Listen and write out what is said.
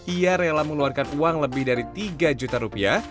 ia rela mengeluarkan uang lebih dari tiga juta rupiah